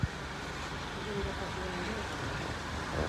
Historia irakaslea ere bada.